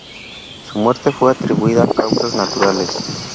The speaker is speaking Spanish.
Su muerte fue atribuida a causas naturales.